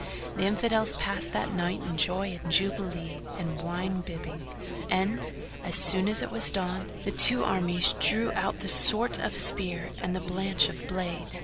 The Infidels passed that night in joy and jubilee and wine bibbing; and, as soon as it was dawn, the two armies drew out with the swart of spear and the blanch of blade.